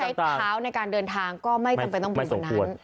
ถ้าคุณไม่ได้ใช้เท้าในการเดินทางก็ไม่จำเป็นต้องบุกนั้น